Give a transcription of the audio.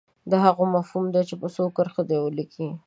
د هغو مفهوم دې په څو کرښو کې ولیکي.